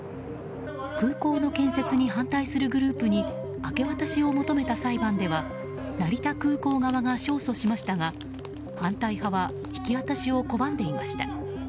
空港の建設に反対するグループに明け渡しを求めた裁判では成田空港側が勝訴しましたが反対派は引き渡しを拒んでいました。